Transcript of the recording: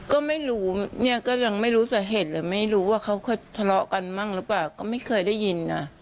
ก็ไม่รู้เนี่ยก็ยังไม่รู้สาเหตุเลยไม่รู้ว่าเขาเคยทะเลาะกันบ้างหรือเปล่าก็ไม่เคยได้ยินนะ